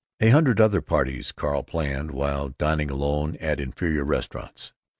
A hundred other "parties" Carl planned, while dining alone at inferior restaurants.